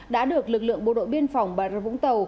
đã được lực lượng bộ đội biên phòng bà rê vũng tàu